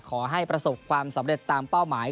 ขอให้ประสบความสำเร็จตามเป้าหมาย